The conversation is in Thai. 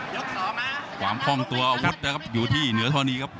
ยกสองอ่ะความคล่องตัวอาวุธนะครับอยู่ที่เหนือทอนีครับ